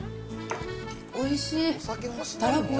おいしい。